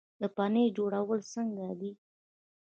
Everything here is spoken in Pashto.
د پنیر جوړول څنګه دي؟